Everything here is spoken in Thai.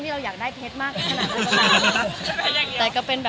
มีปิดฟงปิดไฟแล้วถือเค้กขึ้นมา